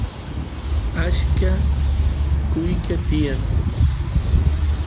acha kuyqa tiyan